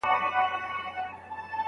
که د بل حقوق مراعات نکړئ نو صميميت نه وي.